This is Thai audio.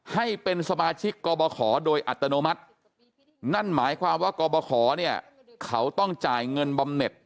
ให้เป็นสมาชิกกรบขอโดยอัตโนมัตินั่นหมายความว่ากรบขอเนี่ยเขาต้องจ่ายเงินบำเน็ต